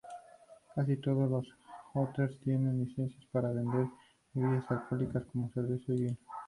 Casi todos los Hooters tienen licencias para vender bebidas alcohólicas como cerveza y vino.